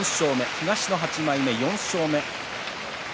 東の８枚目、４勝９敗。